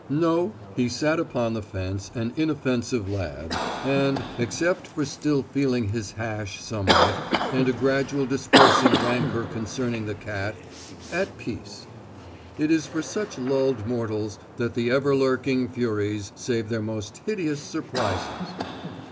No; he sat upon the fence an inoffensive lad, and except for still feeling his hash somewhat, and a gradually dispersing rancour concerning the cat at peace. It is for such lulled mortals that the ever lurking Furies save their most hideous surprises.